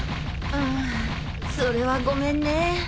うんそれはごめんね。